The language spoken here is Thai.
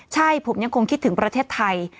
ใช่ผมยังคงคิดถึงประเทศไทย